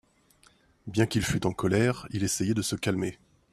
Bien qu'il fût en colère, il essayait de se calmer.